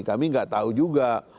kami gak tahu juga